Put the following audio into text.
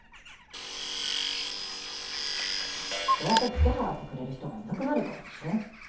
どうせつけ払ってくれる人がいなくなるからでしょ。